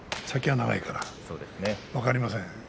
先は長いから分かりません。